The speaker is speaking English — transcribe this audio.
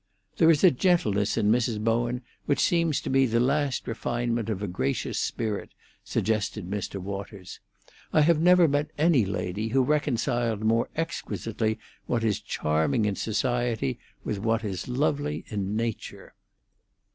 "There is a gentleness in Mrs. Bowen which seems to me the last refinement of a gracious spirit," suggested Mr. Waters. "I have never met any lady who reconciled more exquisitely what is charming in society with what is lovely in nature."